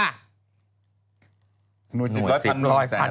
หน่วย๑๐๐๐๐บาทหน่วย๑๐๐๐๐๐๐บาท